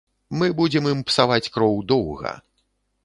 Мы будзем ім псаваць кроў доўга.